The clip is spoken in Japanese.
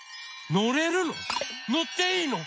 のっていいの？